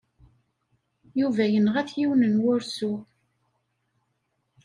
Yuba yenɣa-t yiwen n wursu.